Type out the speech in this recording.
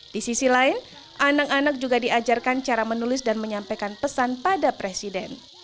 di sisi lain anak anak juga diajarkan cara menulis dan menyampaikan pesan pada presiden